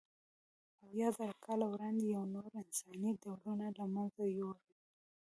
اویازره کاله وړاندې یې نور انساني ډولونه له منځه یووړل.